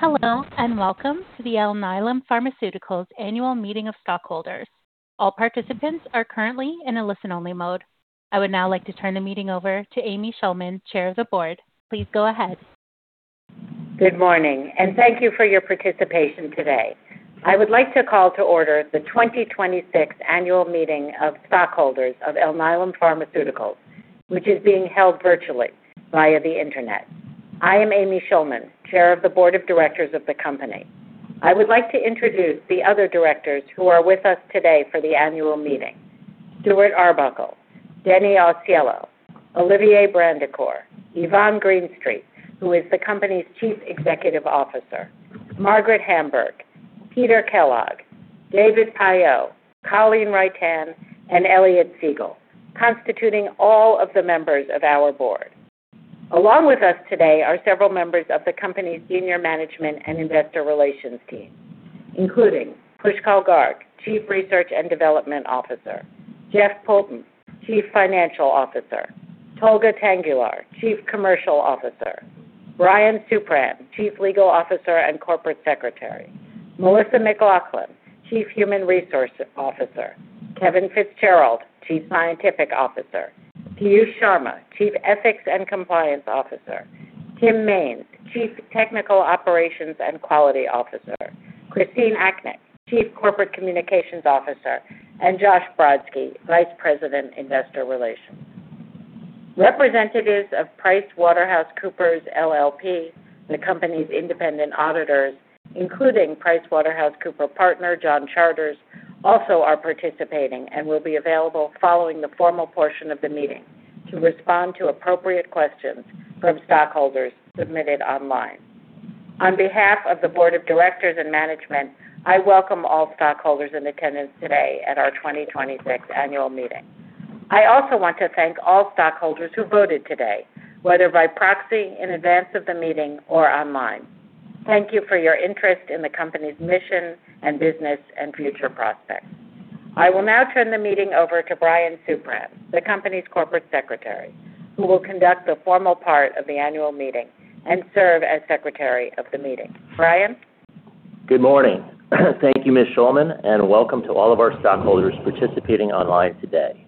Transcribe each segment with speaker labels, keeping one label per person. Speaker 1: Hello, and welcome to the Alnylam Pharmaceuticals Annual Meeting of Stockholders. All participants are currently in a listen-only mode. I would now like to turn the meeting over to Amy Schulman, Chair of the Board. Please go ahead.
Speaker 2: Good morning, and thank you for your participation today. I would like to call to order the 2026 Annual Meeting of Stockholders of Alnylam Pharmaceuticals, which is being held virtually via the internet. I am Amy Schulman, Chair of the Board of Directors of the company. I would like to introduce the other directors who are with us today for the annual meeting. Stuart A. Arbuckle, Dennis A. Ausiello, Olivier Brandicourt, Yvonne Greenstreet, who is the company's Chief Executive Officer, Margaret A. Hamburg, Peter N. Kellogg, David E.I. Pyott, Colleen F. Reitan, and Elliott Sigal, constituting all of the members of our board. Along with us today are several members of the company's Senior Management and Investor Relations team, including Pushkal Garg, Chief Research and Development Officer, Jeff Poulton, Chief Financial Officer, Tolga Tanguler, Chief Commercial Officer, Bryan Supran, Chief Legal Officer and Corporate Secretary, Melissa McLaughlin, Chief Human Resources Officer, Kevin Fitzgerald, Chief Scientific Officer, Piyush Sharma, Chief Ethics and Compliance Officer, Timothy Maines, Chief Technical Operations and Quality Officer, Christine Akinc, Chief Corporate Communications Officer, and Josh Brodsky, Vice President, Investor Relations. Representatives of PricewaterhouseCoopers LLP, the company's independent auditors, including PricewaterhouseCoopers Partner John Charters, also are participating and will be available following the formal portion of the meeting to respond to appropriate questions from stockholders submitted online. On behalf of the Board of Directors and management, I welcome all stockholders in attendance today at our 2026 annual meeting. I also want to thank all stockholders who voted today, whether by proxy in advance of the meeting or online. Thank you for your interest in the company's mission and business and future prospects. I will now turn the meeting over to Bryan Supran, the company's Corporate Secretary, who will conduct the formal part of the annual meeting and serve as Secretary of the meeting. Bryan?
Speaker 3: Good morning. Thank you, Ms. Schulman, and welcome to all of our stockholders participating online today.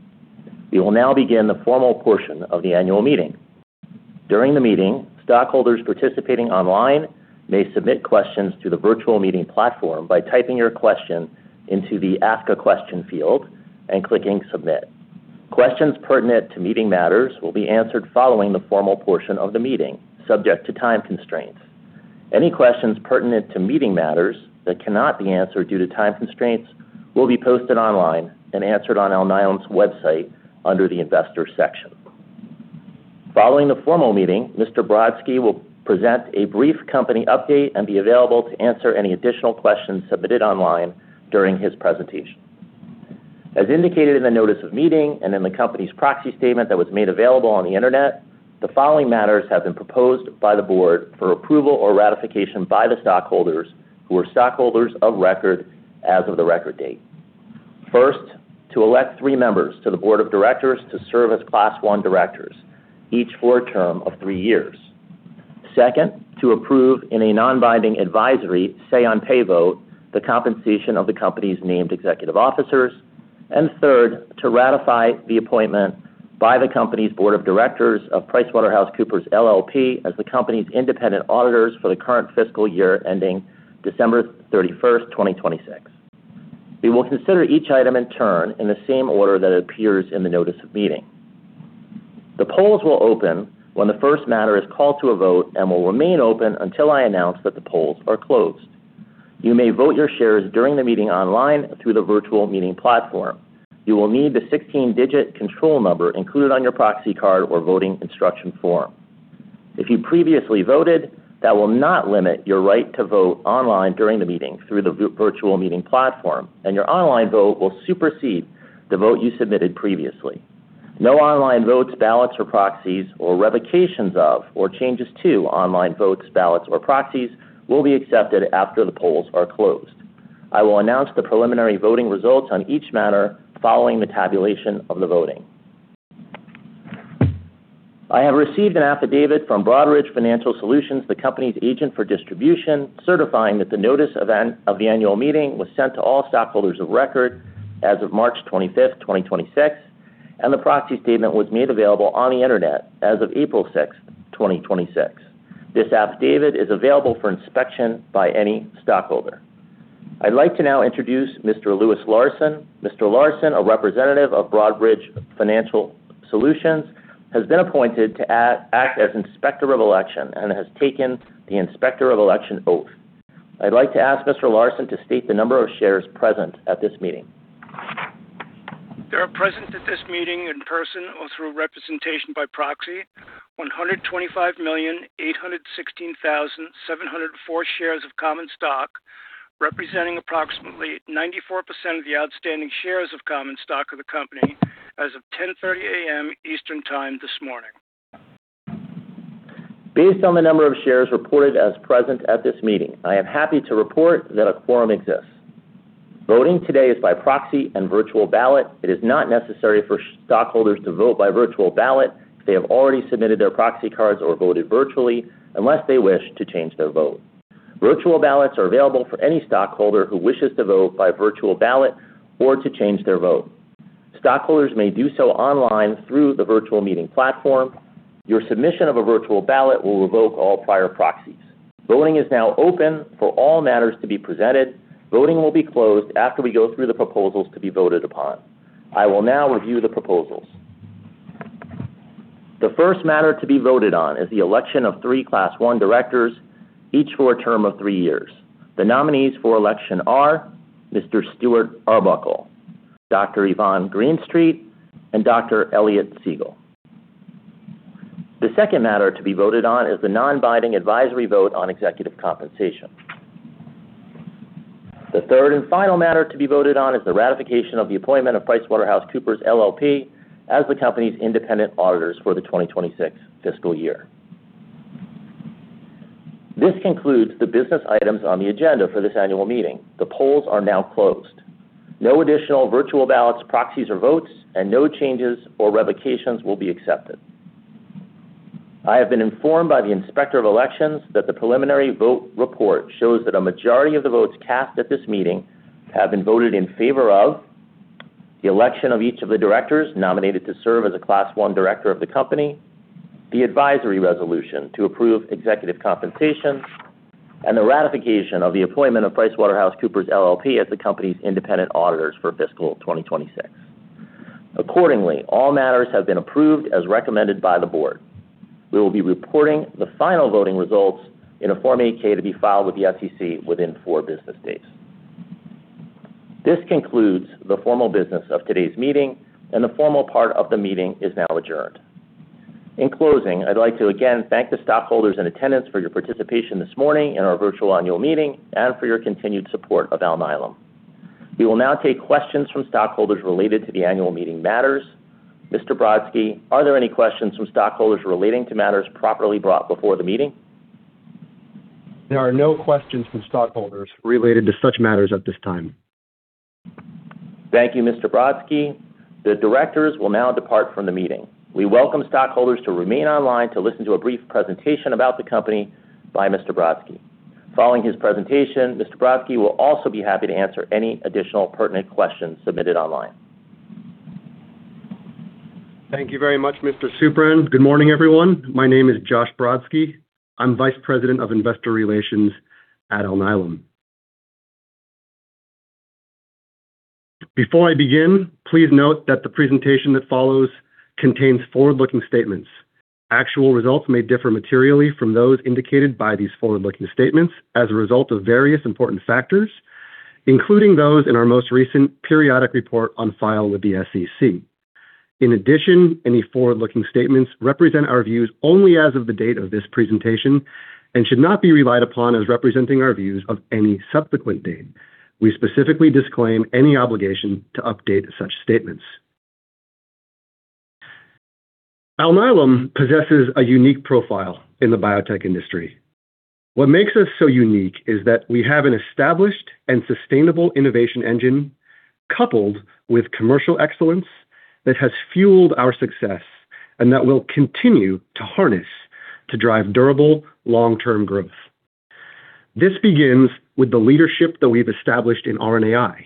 Speaker 3: We will now begin the formal portion of the annual meeting. During the meeting, stockholders participating online may submit questions to the virtual meeting platform by typing your question into the Ask a Question field and clicking Submit. Questions pertinent to meeting matters will be answered following the formal portion of the meeting, subject to time constraints. Any questions pertinent to meeting matters that cannot be answered due to time constraints will be posted online and answered on Alnylam's website under the investor section. Following the formal meeting, Mr. Brodsky will present a brief company update and be available to answer any additional questions submitted online during his presentation. As indicated in the notice of meeting and in the company's proxy statement that was made available on the internet, the following matters have been proposed by the board for approval or ratification by the stockholders who are stockholders of record as of the record date. First, to elect three members to the board of directors to serve as Class I directors, each for a term of three years. Second, to approve in a non-binding advisory say-on-pay vote the compensation of the company's named executive officers. Third, to ratify the appointment by the company's board of directors of PricewaterhouseCoopers LLP as the company's independent auditors for the current fiscal year ending December 31st, 2026. We will consider each item in turn in the same order that it appears in the notice of meeting. The polls will open when the first matter is called to a vote and will remain open until I announce that the polls are closed. You may vote your shares during the meeting online through the virtual meeting platform. You will need the 16-digit control number included on your proxy card or voting instruction form. If you previously voted, that will not limit your right to vote online during the meeting through the virtual meeting platform, and your online vote will supersede the vote you submitted previously. No online votes, ballots, or proxies, or revocations of, or changes to online votes, ballots, or proxies will be accepted after the polls are closed. I will announce the preliminary voting results on each matter following the tabulation of the voting. I have received an affidavit from Broadridge Financial Solutions, the company's agent for distribution, certifying that the notice of the annual meeting was sent to all stockholders of record as of March 25th, 2026, and the proxy statement was made available on the internet as of April 6th, 2026. This affidavit is available for inspection by any stockholder. I'd like to now introduce Mr. Louis Larson. Mr. Larson, a representative of Broadridge Financial Solutions, has been appointed to act as Inspector of Election and has taken the Inspector of Election oath. I'd like to ask Mr. Larson to state the number of shares present at this meeting.
Speaker 4: There are present at this meeting in person or through representation by proxy 125,816,704 shares of common stock, representing approximately 94% of the outstanding shares of common stock of the company as of 10:30 A.M. Eastern Time this morning.
Speaker 3: Based on the number of shares reported as present at this meeting, I am happy to report that a quorum exists. Voting today is by proxy and virtual ballot. It is not necessary for stockholders to vote by virtual ballot if they have already submitted their proxy cards or voted virtually, unless they wish to change their vote. Virtual ballots are available for any stockholder who wishes to vote by virtual ballot or to change their vote. Stockholders may do so online through the virtual meeting platform. Your submission of a virtual ballot will revoke all prior proxies. Voting is now open for all matters to be presented. Voting will be closed after we go through the proposals to be voted upon. I will now review the proposals. The first matter to be voted on is the election of 3 Class I directors, each for a term of three years. The nominees for election are Mr. Stuart A. Arbuckle, Dr. Yvonne Greenstreet, and Dr. Elliott Sigal. The second matter to be voted on is the non-binding advisory vote on executive compensation. The third and final matter to be voted on is the ratification of the appointment of PricewaterhouseCoopers LLP as the company's independent auditors for the 2026 fiscal year. This concludes the business items on the agenda for this annual meeting. The polls are now closed. No additional virtual ballots, proxies, or votes, and no changes or revocations will be accepted. I have been informed by the Inspector of Elections that the preliminary vote report shows that a majority of the votes cast at this meeting have been voted in favor of the election of each of the directors nominated to serve as a Class I director of the company, the advisory resolution to approve executive compensation, and the ratification of the appointment of PricewaterhouseCoopers LLP as the company's independent auditors for fiscal 2026. All matters have been approved as recommended by the board. We will be reporting the final voting results in a Form 8-K to be filed with the SEC within four business days. This concludes the formal business of today's meeting, and the formal part of the meeting is now adjourned. In closing, I'd like to again thank the stockholders in attendance for your participation this morning in our virtual annual meeting and for your continued support of Alnylam. We will now take questions from stockholders related to the annual meeting matters. Mr. Brodsky, are there any questions from stockholders relating to matters properly brought before the meeting?
Speaker 5: There are no questions from stockholders related to such matters at this time.
Speaker 3: Thank you, Mr. Brodsky. The directors will now depart from the meeting. We welcome stockholders to remain online to listen to a brief presentation about the company by Mr. Brodsky. Following his presentation, Mr. Brodsky will also be happy to answer any additional pertinent questions submitted online.
Speaker 5: Thank you very much, Mr. Supran. Good morning, everyone. My name is Josh Brodsky. I'm Vice President of Investor Relations at Alnylam. Before I begin, please note that the presentation that follows contains forward-looking statements. Actual results may differ materially from those indicated by these forward-looking statements as a result of various important factors, including those in our most recent periodic report on file with the SEC. Any forward-looking statements represent our views only as of the date of this presentation and should not be relied upon as representing our views of any subsequent date. We specifically disclaim any obligation to update such statements. Alnylam possesses a unique profile in the biotech industry. What makes us so unique is that we have an established and sustainable innovation engine coupled with commercial excellence that has fueled our success and that we'll continue to harness to drive durable long-term growth. This begins with the leadership that we've established in RNAi,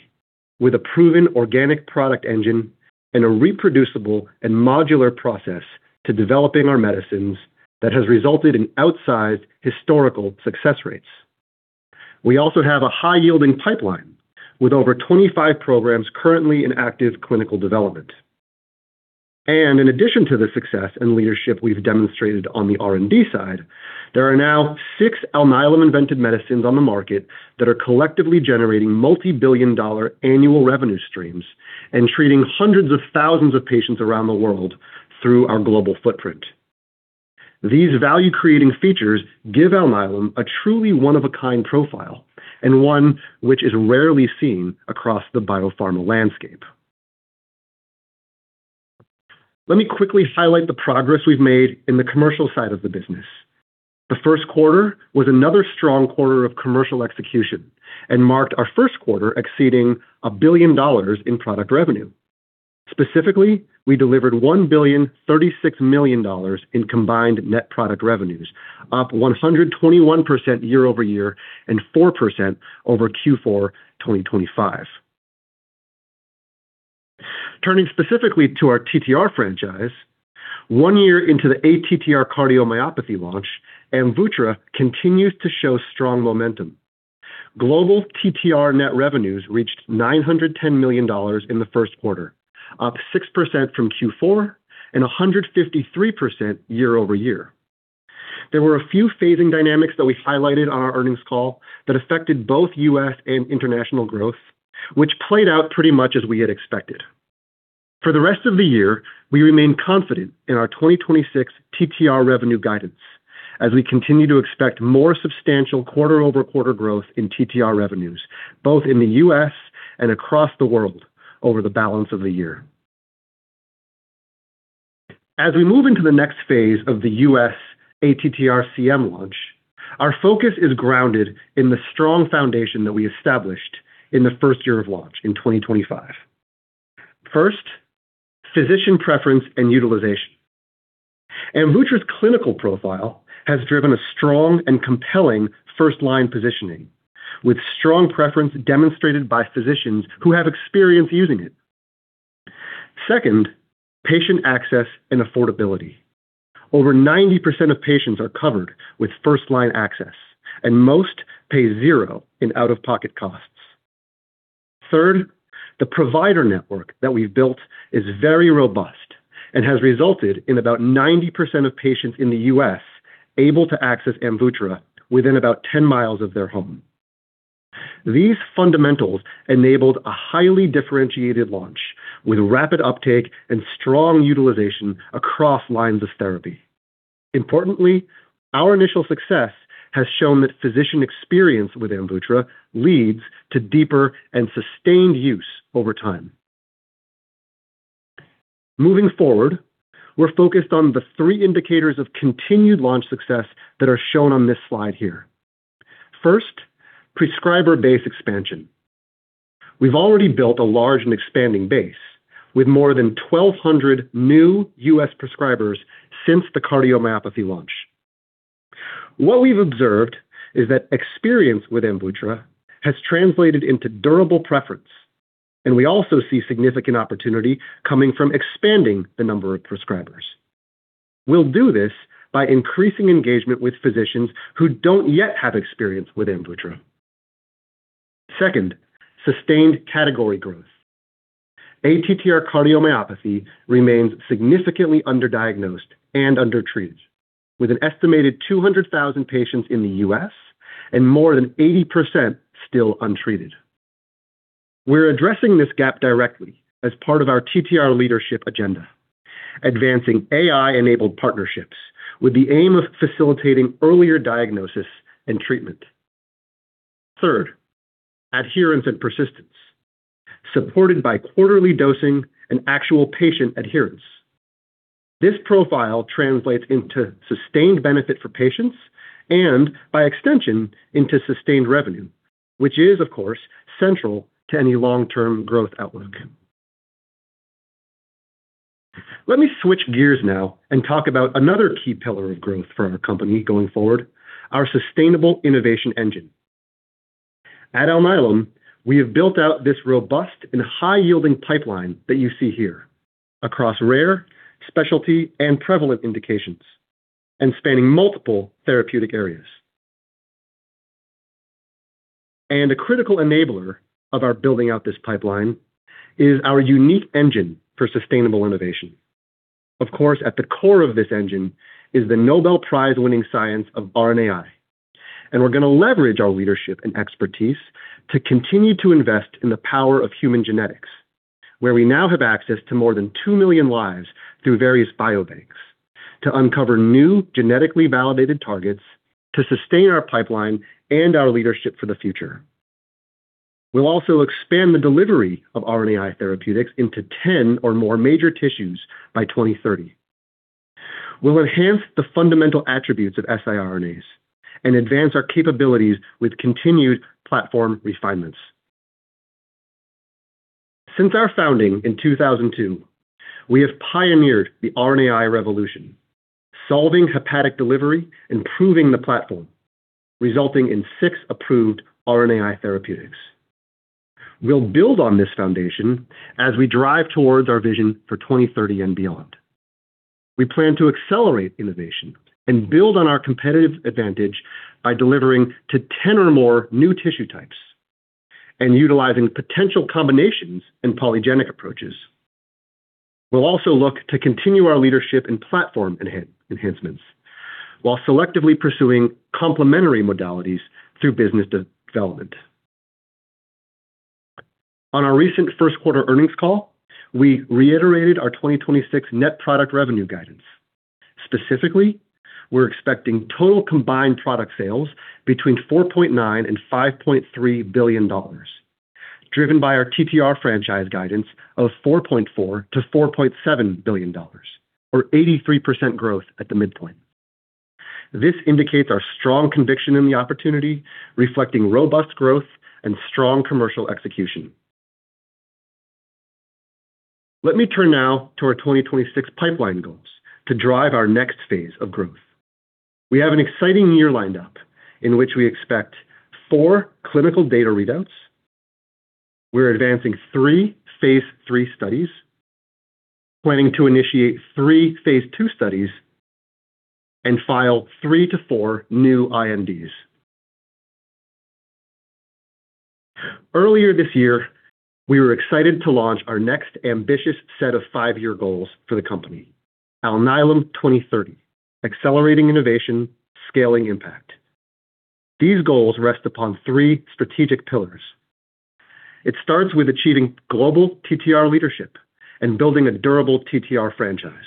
Speaker 5: with a proven organic product engine and a reproducible and modular process to developing our medicines that has resulted in outsized historical success rates. We also have a high-yielding pipeline with over 25 programs currently in active clinical development. In addition to the success and leadership we've demonstrated on the R&D side, there are now six Alnylam-invented medicines on the market that are collectively generating multibillion-dollar annual revenue streams and treating hundreds of thousands of patients around the world through our global footprint. These value-creating features give Alnylam a truly one-of-a-kind profile and one which is rarely seen across the biopharma landscape. Let me quickly highlight the progress we've made in the commercial side of the business. The first quarter was another strong quarter of commercial execution and marked our first quarter exceeding $1 billion in product revenue. Specifically, we delivered $1,036,000,000 in combined net product revenues, up 121% year-over-year and four percent over Q4 2025. Turning specifically to our TTR franchise, one year into the ATTR cardiomyopathy launch, AMVUTTRA continues to show strong momentum. Global TTR net revenues reached $910 million in the first quarter, up six percent from Q4 and 153% year-over-year. There were a few phasing dynamics that we highlighted on our earnings call that affected both U.S. and international growth, which played out pretty much as we had expected. For the rest of the year, we remain confident in our 2026 TTR revenue guidance as we continue to expect more substantial quarter-over-quarter growth in TTR revenues, both in the U.S. and across the world over the balance of the year. As we move into the next phase of the U.S. ATTR-CM launch, our focus is grounded in the strong foundation that we established in the first year of launch in 2025. First, physician preference and utilization. AMVUTTRA's clinical profile has driven a strong and compelling first-line positioning, with strong preference demonstrated by physicians who have experience using it. Second, patient access and affordability. Over 90% of patients are covered with first-line access, and most pay 0 in out-of-pocket costs. Third, the provider network that we've built is very robust and has resulted in about 90% of patients in the U.S. able to access AMVUTTRA within about 10 miles of their home. These fundamentals enabled a highly differentiated launch with rapid uptake and strong utilization across lines of therapy. Importantly, our initial success has shown that physician experience with AMVUTTRA leads to deeper and sustained use over time. Moving forward, we're focused on the three indicators of continued launch success that are shown on this slide here. First, prescriber base expansion. We've already built a large and expanding base with more than 1,200 new U.S. prescribers since the cardiomyopathy launch. What we've observed is that experience with AMVUTTRA has translated into durable preference, and we also see significant opportunity coming from expanding the number of prescribers. We'll do this by increasing engagement with physicians who don't yet have experience with AMVUTTRA. Second, sustained category growth. ATTR-CM remains significantly underdiagnosed and undertreated, with an estimated 200,000 patients in the U.S. and more than 80% still untreated. We're addressing this gap directly as part of our TTR leadership agenda, advancing AI-enabled partnerships with the aim of facilitating earlier diagnosis and treatment. Third, adherence and persistence, supported by quarterly dosing and actual patient adherence. This profile translates into sustained benefit for patients and, by extension, into sustained revenue, which is, of course, central to any long-term growth outlook. Let me switch gears now and talk about another key pillar of growth for our company going forward, our sustainable innovation engine. At Alnylam, we have built out this robust and high-yielding pipeline that you see here across rare, specialty, and prevalent indications and spanning multiple therapeutic areas. A critical enabler of our building out this pipeline is our unique engine for sustainable innovation. Of course, at the core of this engine is the Nobel Prize-winning science of RNAi. We're going to leverage our leadership and expertise to continue to invest in the power of human genetics, where we now have access to more than 2 million lives through various biobanks to uncover new genetically validated targets to sustain our pipeline and our leadership for the future. We'll also expand the delivery of RNAi therapeutics into 10 or more major tissues by 2030. We'll enhance the fundamental attributes of siRNAs and advance our capabilities with continued platform refinements. Since our founding in 2002, we have pioneered the RNAi revolution, solving hepatic delivery, improving the platform, resulting in six approved RNAi therapeutics. We'll build on this foundation as we drive towards our vision for 2030 and beyond. We plan to accelerate innovation and build on our competitive advantage by delivering to 10 or more new tissue types and utilizing potential combinations in polygenic approaches. We'll also look to continue our leadership in platform enhancements while selectively pursuing complementary modalities through business development. On our recent first quarter earnings call, we reiterated our 2026 net product revenue guidance. Specifically, we're expecting total combined product sales between $4.9 and $5.3 billion, driven by our TTR franchise guidance of $4.4 to $4.7 billion, or 83% growth at the midpoint. This indicates our strong conviction in the opportunity, reflecting robust growth and strong commercial execution. Let me turn now to our 2026 pipeline goals to drive our next phase of growth. We have an exciting year lined up in which we expect four clinical data readouts. We're advancing three phase III studies, planning to initiate three phase II studies, and file three to four new INDs. Earlier this year, we were excited to launch our next ambitious set of five-year goals for the company, Alnylam 2030: Accelerating Innovation, Scaling Impact. These goals rest upon three strategic pillars. It starts with achieving global TTR leadership and building a durable TTR franchise.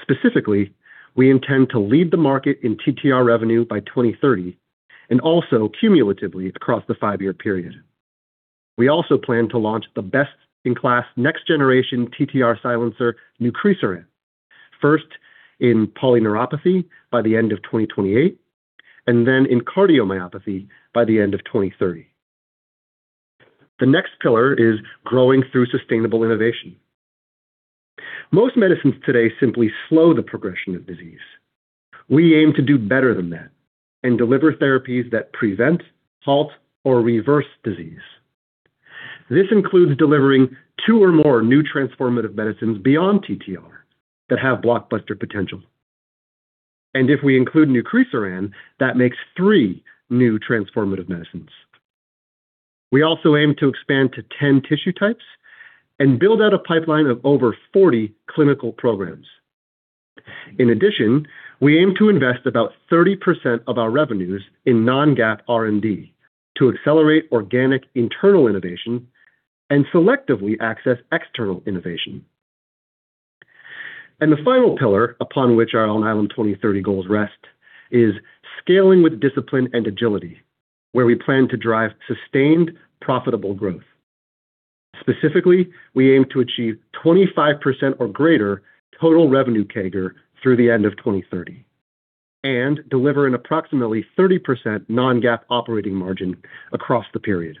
Speaker 5: Specifically, we intend to lead the market in TTR revenue by 2030, and also cumulatively across the five-year period. We also plan to launch the best-in-class next generation TTR silencer, nucresiran, first in polyneuropathy by the end of 2028, and then in cardiomyopathy by the end of 2030. The next pillar is growing through sustainable innovation. Most medicines today simply slow the progression of disease. We aim to do better than that and deliver therapies that prevent, halt, or reverse disease. This includes delivering two or more new transformative medicines beyond TTR that have blockbuster potential. If we include nucresiran, that makes three new transformative medicines. We also aim to expand to 10 tissue types and build out a pipeline of over 40 clinical programs. In addition, we aim to invest about 30% of our revenues in non-GAAP R&D to accelerate organic internal innovation and selectively access external innovation. The final pillar upon which our Alnylam 2030 goals rest is scaling with discipline and agility, where we plan to drive sustained, profitable growth. Specifically, we aim to achieve 25% or greater total revenue CAGR through the end of 2030 and deliver an approximately 30% non-GAAP operating margin across the period.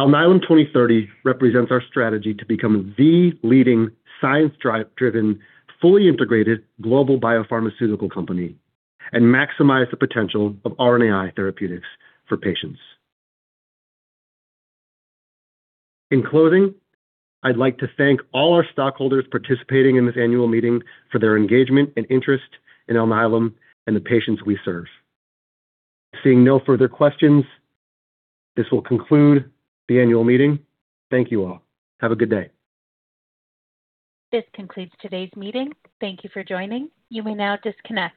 Speaker 5: Alnylam 2030 represents our strategy to become the leading science-driven, fully integrated global biopharmaceutical company and maximize the potential of RNAi therapeutics for patients. In closing, I'd like to thank all our stockholders participating in this annual meeting for their engagement and interest in Alnylam and the patients we serve. Seeing no further questions, this will conclude the annual meeting. Thank you all. Have a good day.
Speaker 1: This concludes today's meeting. Thank you for joining. You may now disconnect.